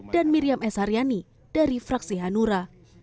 dan miriam esaryani dari fraksi hanura